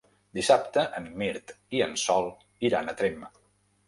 Dissabte en Mirt i en Sol iran a Tremp.